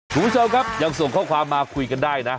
คุณผู้ชมครับยังส่งข้อความมาคุยกันได้นะ